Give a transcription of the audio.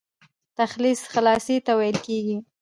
تلخیص خلاصې ته ويل کیږي.